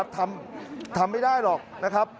ทำไม่ได้หรอกนะครับ